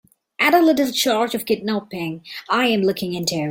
And a little charge of kidnapping I'm looking into.